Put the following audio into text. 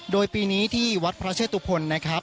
โดยปีนี้ที่วัดพระเชตุพลนะครับ